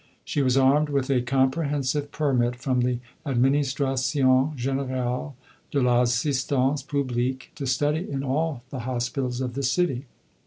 She was armed with a comprehensive permit from the Administration Générale de l'Assistance Publique to study in all the hospitals of the city.